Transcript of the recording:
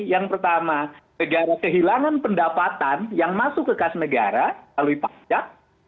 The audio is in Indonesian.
yang pertama negara kehilangan pendapatan yang masuk kekas negara lalu dipakai